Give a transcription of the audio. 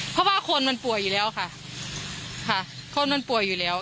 เพราะว่าคนมันป่วยอยู่แล้วค่ะค่ะคนมันป่วยอยู่แล้ว